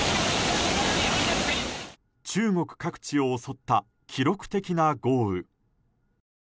中国各地を襲った記録的な豪雨。